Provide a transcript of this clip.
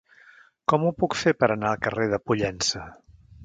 Com ho puc fer per anar al carrer de Pollença?